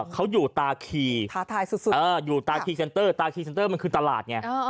เขาอยู่ตาคีเส้นเตอร์มันคือตลาดไง